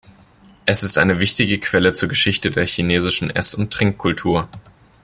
Es ist eine wichtige Quelle zur Geschichte der chinesischen Ess- und Trinkkultur.